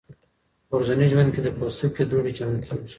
په ورځني ژوند کې د پوستکي دوړې جمع کېږي.